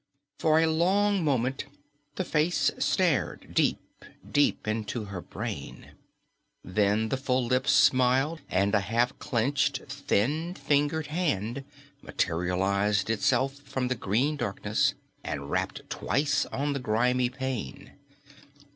For a long moment the face stared deep, deep into her brain. Then the full lips smiled and a half clenched, thin fingered hand materialized itself from the green darkness and rapped twice on the grimy pane.